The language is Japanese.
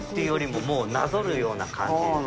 もうなぞるような感じ。